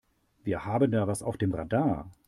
Wir haben da was auf dem Radar.